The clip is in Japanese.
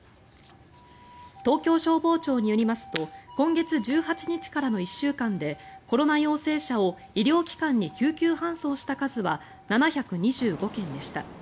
東京消防庁によりますと今月１８日からの１週間でコロナ陽性者を医療機関に救急搬送した数は７２５件でした。